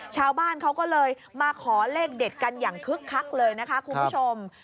ชาวบ้านเขาก็เลยมาขอเลขเด็ดกันอย่างคึกคักเลยนะคะคุณผู้ชม